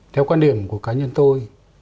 theo quan điểm của cá nhân tôi